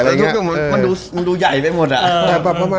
มันดูใหญ่ไปหมดอะ